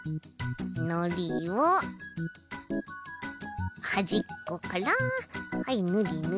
のりをはじっこからはいぬりぬり。